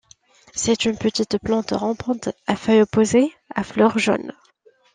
C'est une petite plante rampante, à feuilles opposées, à fleurs jaunes.